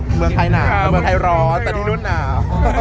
เมืองไทยหนาวเมืองไทยร้อนแต่ที่นู่นหนาว